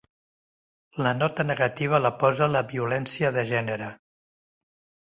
La nota negativa la posa la violència de gènere.